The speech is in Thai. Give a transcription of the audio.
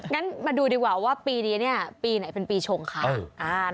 งั้นมาดูดีกว่าว่าปีนี้เนี่ยปีไหนเป็นปีชงคะ